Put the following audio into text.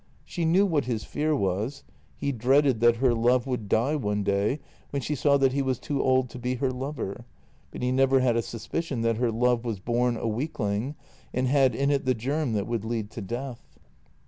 She knew what his fear was — he dreaded that her love would die one day when she saw that he was too old to be her lover, but he never had a suspicion that her love was bom a weakling and had in it the germ that would lead to death.